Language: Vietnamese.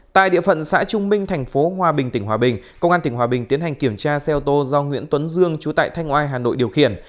tại địa phận xã trung minh tp hòa bình tp hòa bình công an tp hòa bình tiến hành kiểm tra xe ô tô do nguyễn tuấn dương chú tại thanh oai hà nội điều khiển